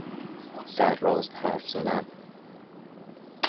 سرراست حرف زدن